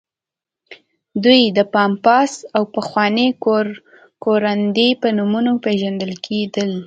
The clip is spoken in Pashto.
دوی د پامپاس او پخواني کوراندي په نومونو پېژندل کېدل.